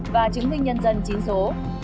và chứng minh nhân dân một mươi hai số